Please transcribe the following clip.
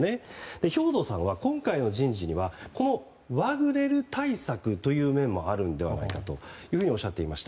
兵頭さんは今回の人事にはこのワグネル対策という面もあるのではないかとおっしゃっていました。